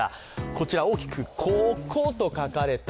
こちら大きく「ココ」と書かれた